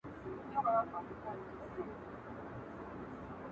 o کوټ کوټ دلته لري، هگۍ بل ځاى اچوي!